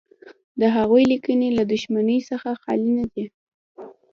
د هغوی لیکنې له دښمنۍ څخه خالي نه دي.